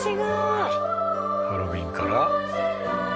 ハロウィーンから。